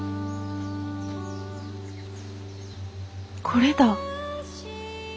これだ。